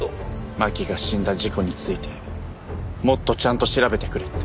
真希が死んだ事故についてもっとちゃんと調べてくれって。